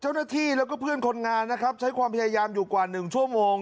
เจ้าหน้าที่แล้วก็เพื่อนคนงานนะครับใช้ความพยายามอยู่กว่า๑ชั่วโมง